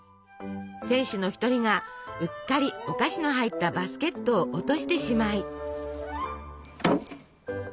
選手の一人がうっかりお菓子の入ったバスケットを落としてしまい。